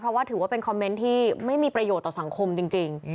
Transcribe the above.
เพราะว่าถือว่าเป็นคอมเมนต์ที่ไม่มีประโยชน์ต่อสังคมจริง